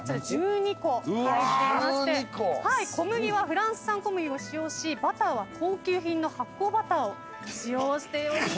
１２個入っていまして小麦はフランス産小麦を使用しバターは高級品の発酵バターを使用しております。